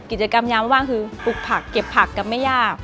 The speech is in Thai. กิจกรรมย้ำบ้างคือปลูกผักเก็บผักก็ไม่ยาก